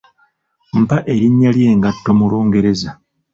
Mpa erinnya ly'engatto mu Lungereza?